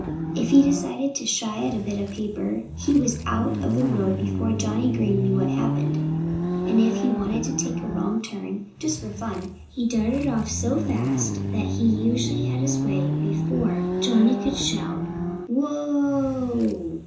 If he decided to shy at a bit of paper he was out of the road before Johnnie Green knew what had happened. And if he wanted to take a wrong turn, just for fun, he darted off so fast that he usually had his way before Johnnie could shout "Whoa!"